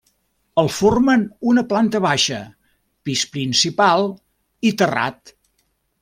El formen una planta baixa, pis principal i terrat.